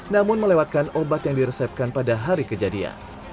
namun melewatkan obat yang diresepkan pada hari kejadian